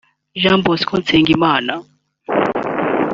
Jean Bosco Nsengimana